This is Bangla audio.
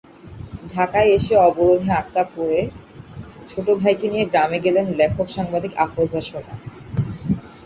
ঢাকায় এসে অবরোধে আটকে পড়া ছোট ভাইকে নিয়ে গ্রামে গেলেন লেখক-সাংবাদিক আফরোজা সোমা।